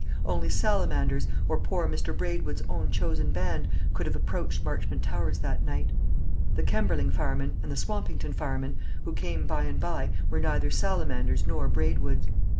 Only salamanders, or poor Mr. Braidwood's own chosen band, could have approached Marchmont Towers that night. The Kemberling firemen and the Swampington firemen, who came by and by, were neither salamanders nor Braidwoods.